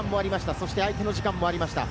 そして相手の時間もありました。